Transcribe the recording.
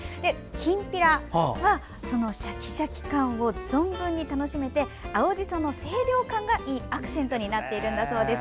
きんぴらは、そのシャキシャキ感が存分に楽しめて青じその清涼感がいいアクセントになっているんだそうです。